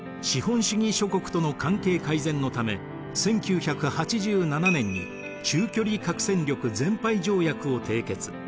資本主義諸国との関係改善のため１９８７年に中距離核戦力全廃条約を締結。